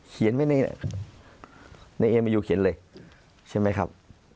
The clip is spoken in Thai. ไว้ในเอมายูเขียนเลยใช่ไหมครับ